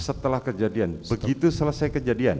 setelah kejadian begitu selesai kejadian